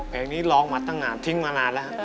เพลงนี้ร้องมาตั้งนานทิ้งมานานแล้วครับ